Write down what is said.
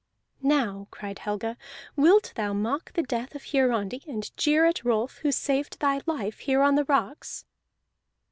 "Now," cried Helga, "wilt thou mock the death of Hiarandi, and jeer at Rolf, who saved thy life here on the rocks?"